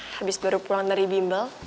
habis baru pulang dari bimbel